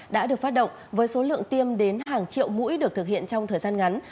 đã được phát động với số lượng tiêm đến hàng triệu mũi được thực hiện trong thời gian ngắn